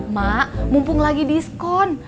mak mumpung lagi diskon